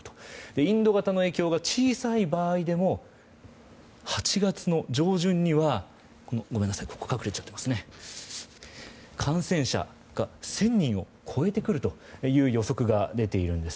インド型の影響が小さい場合でも８月の上旬には感染者が１０００人を超えてくるという予測が出ているんです。